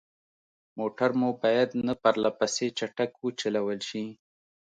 موټر مو باید نه پرلهپسې چټک وچلول شي.